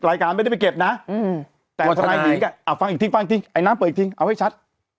อ่ะฟังอีกทิ้งฟังอีกทิ้งไอน้ำเปิดอีกทิ้งเอาให้ชัด